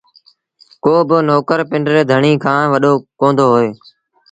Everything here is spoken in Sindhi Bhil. ڪو با نوڪر پنڊري ڌڻيٚ کآݩ وڏو ڪوندو هوئي